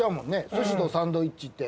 すしとサンドイッチって。